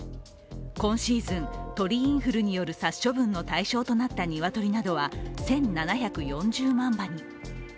今シーズン、鳥インフルによる殺処分の対象となった鶏などは１７４０万羽に。